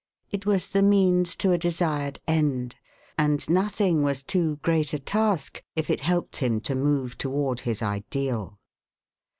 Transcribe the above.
It was the means to a desired end, and nothing was too great a task if it helped him to move toward his ideal.